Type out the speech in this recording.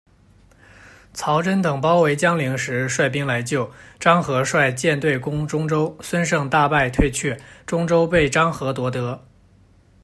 曹真等包围江陵时，率兵来救，张郃率舰队攻中州，孙盛大败退却，中州被张郃夺得。